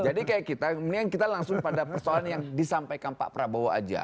jadi kayak kita mendingan kita langsung pada persoalan yang disampaikan pak prabowo aja